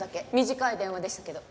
短い電話でしたけど。